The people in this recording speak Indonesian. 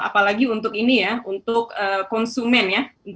apalagi untuk konsumen ya